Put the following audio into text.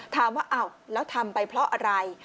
ถามว่าอ้าวแล้วทำไปเพราะอะไร